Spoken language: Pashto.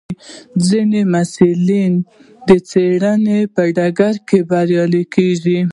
ځینې محصلین د څېړنې په ډګر کې بریالي کېږي.